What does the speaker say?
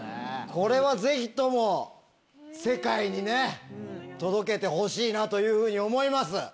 これはぜひとも世界に届けてほしいなというふうに思います。